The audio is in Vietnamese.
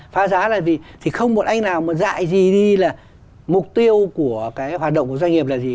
phá giá là vì không một anh nào dạy gì đi là mục tiêu của hoạt động của doanh nghiệp là gì